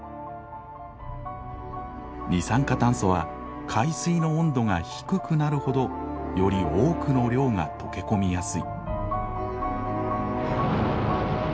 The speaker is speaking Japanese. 二酸化炭素は海水の温度が低くなるほどより多くの量が溶け込みやすい。